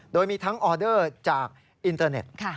โดยมีทั้งออเดอร์จากอินเตอร์เน็ต